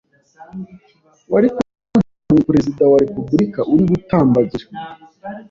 Wari kugira ngo ni President wa republic uri gutambagira,